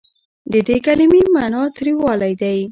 د دې کلمې معني تریوالی دی.